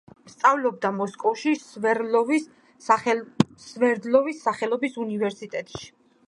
სწავლობდა მოსკოვში სვერდლოვის სახელობის უნივერსიტეტში.